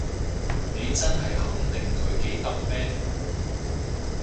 你真係肯定佢記得咩？